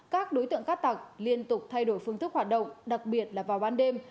các đối tượng cát tặc liên tục thay đổi phương thức hoạt động đặc biệt là vào ban đêm